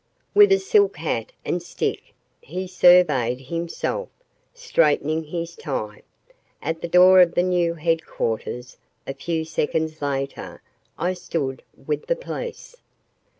With a silk hat and stick, he surveyed himself, straightening his tie. At the door of the new headquarters, a few seconds later, I stood with the police.